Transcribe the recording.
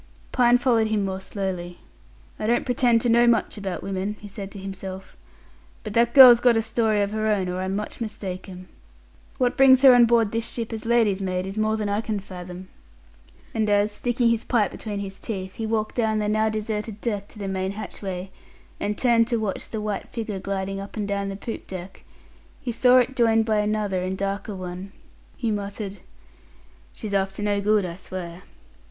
Pine followed him more slowly. "I don't pretend to know much about women," he said to himself, "but that girl's got a story of her own, or I'm much mistaken. What brings her on board this ship as lady's maid is more than I can fathom." And as, sticking his pipe between his teeth, he walked down the now deserted deck to the main hatchway, and turned to watch the white figure gliding up and down the poop deck, he saw it joined by another and a darker one, he muttered, "She's after no good, I'll swear."